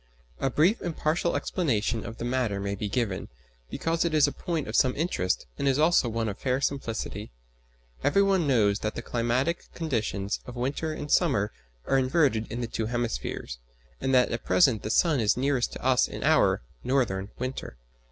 A brief and partial explanation of the matter may be given, because it is a point of some interest and is also one of fair simplicity. Every one knows that the climatic conditions of winter and summer are inverted in the two hemispheres, and that at present the sun is nearest to us in our (northern) winter.